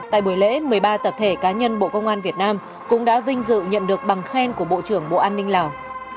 tại buổi lễ một mươi ba tập thể cá nhân bộ công an việt nam cũng đã vinh dự nhận được bằng khen của bộ trưởng bộ an ninh lào